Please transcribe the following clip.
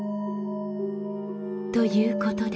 ということで。